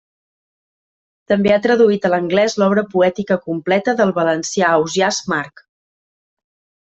També ha traduït a l'anglès l'obra poètica completa del valencià Ausiàs March.